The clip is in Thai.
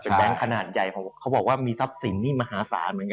เป็นแบงค์ขนาดใหญ่เขาบอกว่ามีทรัพย์สินทร์มีมหาศาลเหมือนกัน